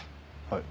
はい。